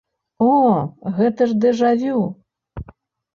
О, гэта ж дэжа-вю!